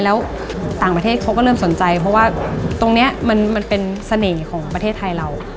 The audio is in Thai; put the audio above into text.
แล้วต่างประเทศเขาก็เริ่มสนใจเพราะว่าตรงนี้มันเป็นเสน่ห์ของประเทศไทยเรา